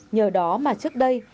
nhờ đó mà trước đây